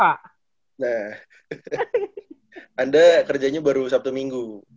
nah anda kerjanya baru sabtu minggu